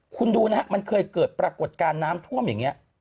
คุณดูนะฮะมันเคยเกิดปรากฏการณ์น้ำท่วมอย่างนี้